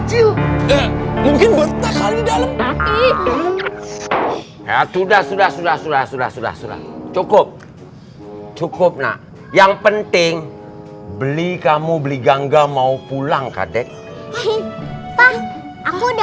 cukup cukup nah yang penting beli kamu beli gangga mau pulang kadek aku udah